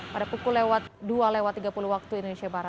pada pukul dua tiga puluh wib